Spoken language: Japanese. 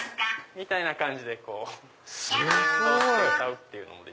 みたいな感じで連動して歌うっていうので。